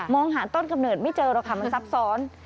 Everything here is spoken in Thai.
หาต้นกำเนิดไม่เจอหรอกค่ะมันซับซ้อน